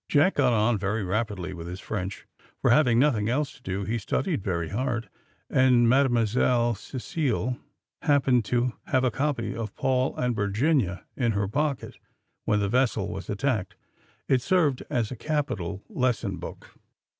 Jack got on very rapidly with his French, for, having nothing else to do, he studied very hard, and Mademoiselle Cecile happened to have a copy of Paul and Virginia in her pocket when the vessel was attacked. It served as a capital lesson book.